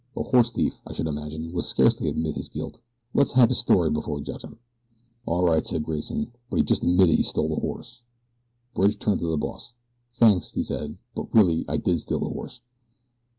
A horse thief, I should imagine, would scarcely admit his guilt. Let's have his story before we judge him." "All right," said Grayson; "but he's just admitted he stole the horse." Bridge turned to the boss. "Thanks," he said; "but really I did steal the horse."